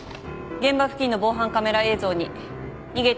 現場付近の防犯カメラ映像に逃げていく不審な男を発見。